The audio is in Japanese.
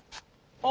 あ！